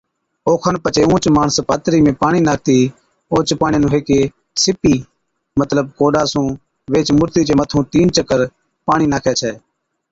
اوکن پڇي اُونھچ ماڻس پاترِي ۾ پاڻِي ناکتِي اوھچ پاڻِيا نُون ھيڪِي سِپِي (ڪوڏا) سُون ويھِچ مُورتِي چي مٿُون تِين سو چڪر پاڻِي ناکَي ڇَي